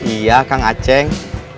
iya kang aceh